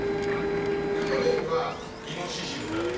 今日のメインはイノシシの鍋です。